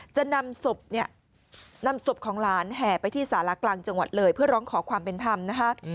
จะนำศพเนี่ยนำศพของหลานแห่ไปที่สารากลางจังหวัดเลยเพื่อร้องขอความเป็นธรรมนะคะ